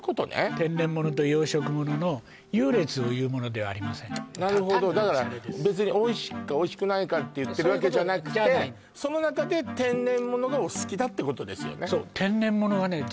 天然モノと養殖モノの優劣をいうものではありませんなるほどだから別においしいかおいしくないかって言ってるわけじゃなくてその中で天然モノがお好きだってことですよね